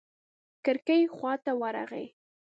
کړکۍ خوا ته ورغى.